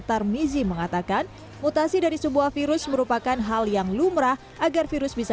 tarmizi mengatakan mutasi dari sebuah virus merupakan hal yang lumrah agar virus bisa